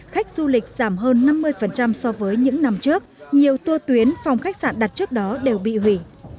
khách du lịch giảm hơn năm mươi so với những năm trước nhiều tua tuyến phòng khách sạn đặt trước đó đều bị hủy